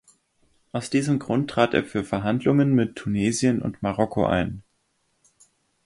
Aus diesem Grund trat er für Verhandlungen mit Tunesien und Marokko ein.